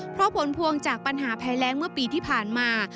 เพราะผลพวงจากปัญหาภัยแรงเมื่อปีที่ผ่านมา